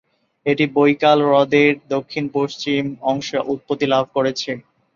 এটি বৈকাল হ্রদের দক্ষিণ-পশ্চিম অংশে উৎপত্তি লাভ করেছে।